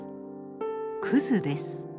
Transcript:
クズです。